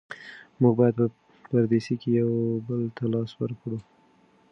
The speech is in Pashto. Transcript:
موږ باید په پردیسۍ کې یو بل ته لاس ورکړو.